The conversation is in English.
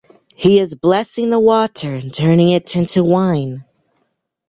He is blessing the water and turning it into wine.